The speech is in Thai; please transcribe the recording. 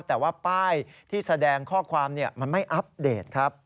แต่ว่าป้ายที่แสดงข้อความมันไม่อัปเดตครับ